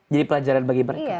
jadi pelajaran bagi mereka